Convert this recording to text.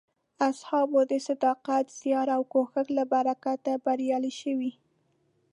اصحابو د صداقت، زیار او کوښښ له برکته بریاوې شوې.